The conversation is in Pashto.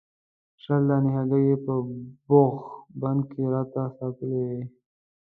شل دانې هګۍ یې په بوغ بند کې راته ساتلې وې.